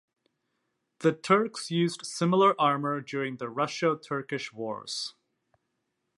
The Turks used similar armour during the Russo-Turkish Wars.